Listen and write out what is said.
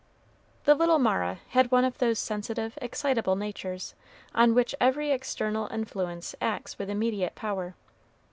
The little Mara had one of those sensitive, excitable natures, on which every external influence acts with immediate power.